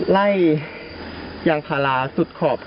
ไล่ยางพาราสุดขอบ